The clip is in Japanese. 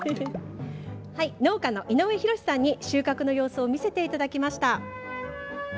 農家の井上博さんに収穫の様子を見せていただきました。